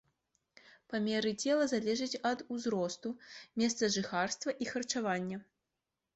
Памеры цела залежаць ад узросту, месцажыхарства і харчавання.